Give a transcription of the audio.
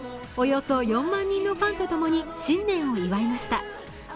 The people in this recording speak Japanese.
およそ４万人のファンと共に新年を祝いました。